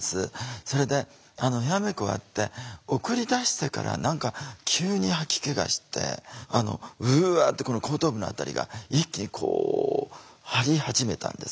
それでヘアメイク終わって送り出してから何か急に吐き気がしてあのうわってこの後頭部の辺りが一気にこう張り始めたんです。